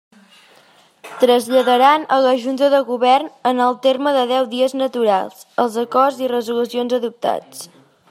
Traslladaran a la Junta de Govern, en el terme de deu dies naturals, els acords i resolucions adoptats.